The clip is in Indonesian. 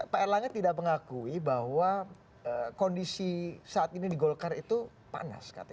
pak erlangga tidak mengakui bahwa kondisi saat ini di golkar itu panas katanya